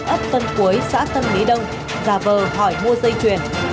ấp tân cuối xã tâm lý đông giả vờ hỏi mua dây chuyền